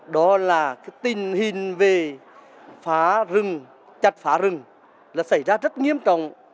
đó là tin hình về phá rừng chặt phá rừng là xảy ra rất nghiêm trọng